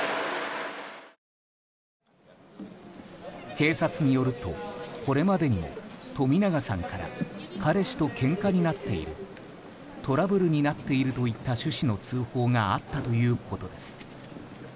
警察によると、これまでにも冨永さんから彼氏とけんかになっているトラブルになっているといった趣旨の通報があったということです。